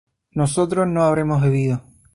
nosotros no habremos bebido